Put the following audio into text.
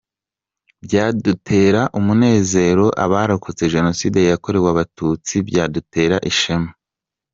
Byadutera umunezero abarokotse Jenoside yakorewe abatutsi, byadutera ishema.